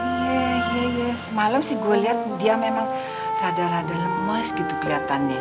iya iya iya semalam sih gue liat dia memang rada rada lemes gitu keliatannya